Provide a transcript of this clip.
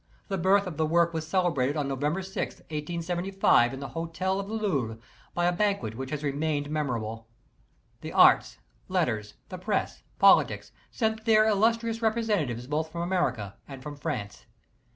The birth of the work was celebrated on November 6, 1875, in the Hotel of the Louvre by a banquet which has remained memorable. The arts, letters, the press, politics, sent there illustrious representatives both from America and from France.